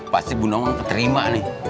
pasti bu nawang keterima nih